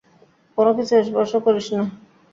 কোনোকিছু স্পর্শ করিস না।